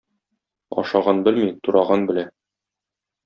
Ашаган белми, тураган белә.